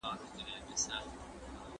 تاسي باید د خپلو لاسونو ګوتې هم پاکې وساتئ.